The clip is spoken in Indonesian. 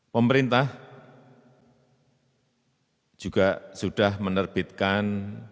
pemerintah juga sudah menerbitkan